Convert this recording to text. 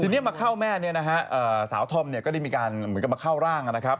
ทีนี้มาข่าวแม่สาวธรรมก็ได้เป็นการเข้าร่างล่ะครับ